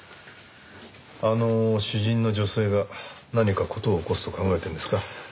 あの詩人の女性が何か事を起こすと考えてるんですか？